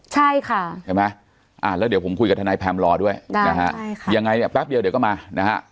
ใช่ค่ะใช่ไหมแล้วเดี๋ยวผมคุยกับทนายแพมรอด้วยนะฮะยังไงเนี่ยแป๊บเดียวเดี๋ยวก็มานะฮะ